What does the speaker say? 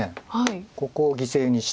ここを犠牲にして。